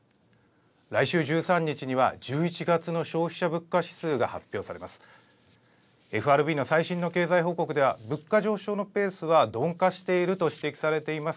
来週１３日には１１月の消費者物価指数が発表されます。